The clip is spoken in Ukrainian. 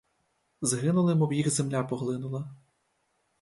Згинули, мов їх земля поглинула!